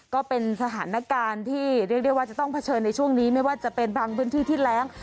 ก็เป็นสถานการณ์ที่เรียกได้ว่าจะต้องเผชิญในช่วงนี้ไม่ว่าจะเป็นบางพื้นที่ที่แรง